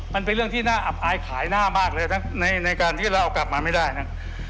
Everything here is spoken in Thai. มันเป็นเรื่องที่น่าอับอายขายหน้ามากเลยนะในการที่เราเอากลับมาไม่ได้นะ